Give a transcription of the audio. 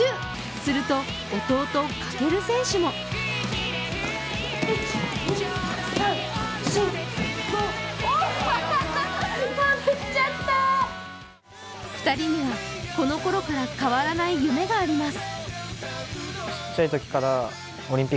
すると弟・翔選手も２人には、このころから変わらない夢があります。